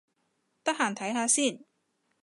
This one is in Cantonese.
得閒睇下先